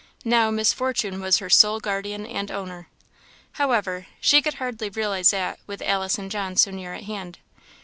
Now, Miss Fortune was her sole guardian and owner. However, she could hardly realize that, with Alice and John so near at hand.